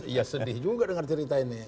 ya sedih juga dengar cerita ini